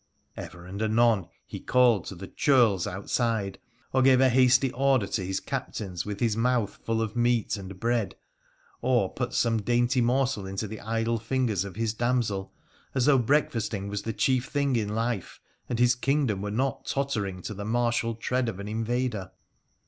Ever and anon he called to the ' churls ' outside, or gave a hasty order to his captains with his mouth full of meat and bread, or put some dainty morsel into the idle fingers of his damsel, as though breakfasting was the chief thing in life, and his kingdom were not tottering to the martial tread of an invader.